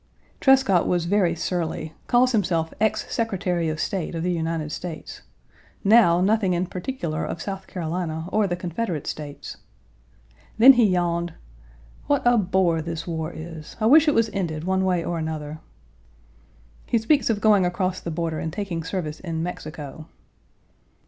Trescott was very surly; calls himself ex Secretary of State of the United States; now, nothing in particular of South Carolina or the Confederate States. Then he yawned, "What a bore this war is. I wish it was ended, one way or another." He speaks of going across the border and taking service in Mexico.